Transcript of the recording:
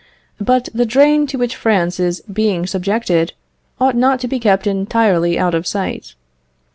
But the drain to which France is being subjected ought not to be kept entirely out of sight.